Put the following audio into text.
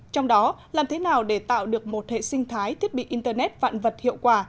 trong đó làm thế nào để tạo được một hệ sinh thái thiết bị internet vạn vật hiệu quả